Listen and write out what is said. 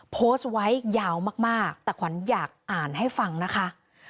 โพสต์ไว้ยาวมากแต่ขวัญอยากอ่านให้ฟังนะคะ